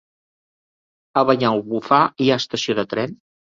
A Banyalbufar hi ha estació de tren?